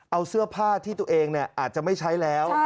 เอาเสื้อผ้าที่ตัวเองอาจจะไม่ใช้แล้ว